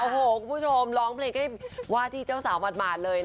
คุณผู้ชมร้องเพลงก็ได้วัดลีเจ้าสาวหมาด